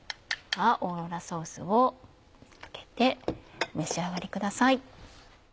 オーロラソースをかけて召し上がりください。